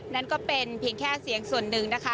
นั่นก็เป็นเพียงแค่เสียงส่วนหนึ่งนะคะ